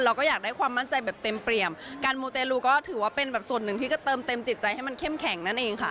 เราก็อยากได้ความมั่นใจแบบเต็มเปรียมการมูเตลูก็ถือว่าเป็นแบบส่วนหนึ่งที่ก็เติมเต็มจิตใจให้มันเข้มแข็งนั่นเองค่ะ